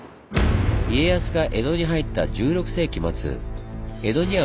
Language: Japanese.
家康が江戸に入った１６世紀末